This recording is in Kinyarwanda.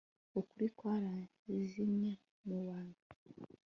ukuri kwarazimiye mu bantu